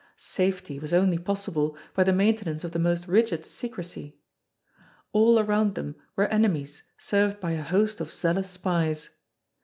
Safety was only possible by the maintenance of the most rigid secrecy. All around them were enemies served by a host of zealous spies.